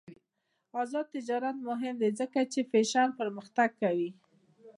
آزاد تجارت مهم دی ځکه چې فیشن پرمختګ کوي.